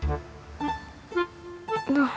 kamu mau ke rumah